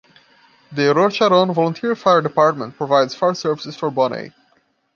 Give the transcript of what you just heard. The Rosharon Volunteer Fire Department provides fire services for Bonney.